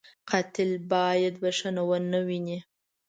قاتل باید بښنه و نهويني